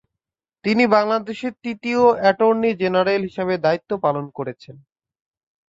তিনি বাংলাদেশের তৃতীয় এটর্নি জেনারেল হিসাবে দায়িত্ব পালন করেছেন।